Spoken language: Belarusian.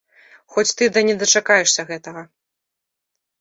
Хоць ты да не дачакаешся гэтага.